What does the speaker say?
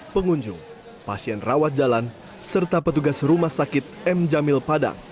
pengunjung pasien rawat jalan serta petugas rumah sakit m jamil padang